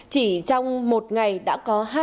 chỉ trong một ngày đã có hai vụ án